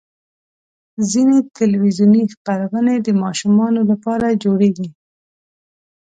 ځینې تلویزیوني خپرونې د ماشومانو لپاره جوړېږي.